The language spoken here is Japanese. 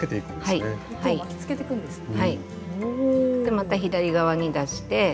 また左側に出して。